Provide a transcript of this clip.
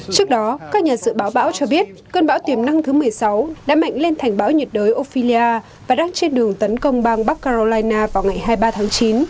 trước đó các nhà dự báo bão cho biết cơn bão tiềm năng thứ một mươi sáu đã mạnh lên thành bão nhiệt đới ophelia và đang trên đường tấn công bang bắc carolina vào ngày hai mươi ba tháng chín